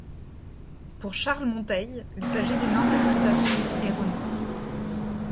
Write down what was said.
Pour Charles Monteil, il s'agit d'une interprétation erronée.